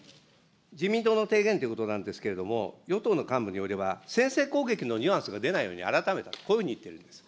自民党の提言ということなんですけれども、与党の幹部によれば、先制攻撃のニュアンスが出ないように改めてこういうふうに言っているんです。